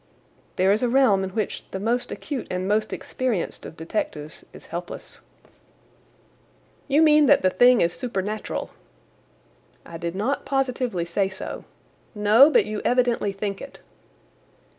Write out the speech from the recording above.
"There is a realm in which the most acute and most experienced of detectives is helpless." "You mean that the thing is supernatural?" "I did not positively say so." "No, but you evidently think it."